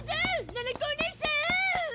ななこおねいさん！